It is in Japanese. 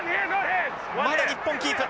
まだ日本キープ。